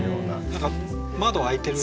何か窓開いてる感じが。